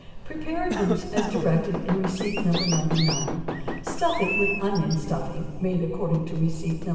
= Prepare a goose as directed in receipt No. 99; stuff it with onion stuffing made according to receipt No.